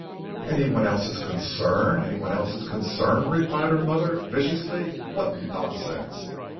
"Anyone else's concern! Anyone else's concern!" replied her mother viciously. "What nonsense.